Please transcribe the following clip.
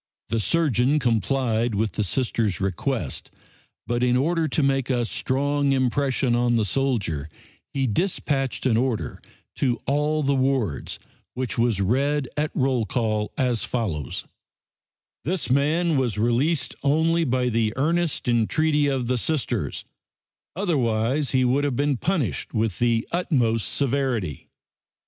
The surgeon complied with the Sister's request, but in order to make a strong impression on the soldier he dispatched an order to all the wards, which was read at roll call, as follows: "This man was released only by the earnest entreaty of the Sisters; otherwise he would have been punished with the utmost severity."